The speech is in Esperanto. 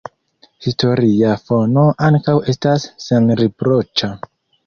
Historia fono ankaŭ estas senriproĉa.